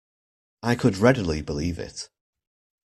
I could readily believe it.